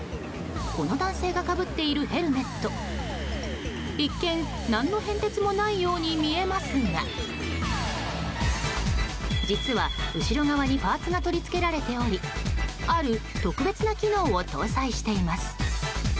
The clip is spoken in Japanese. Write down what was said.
この男性がかぶっているヘルメット一見、何の変哲もないように見えますが実は、後ろ側にパーツが取り付けられておりある特別な機能を搭載しています。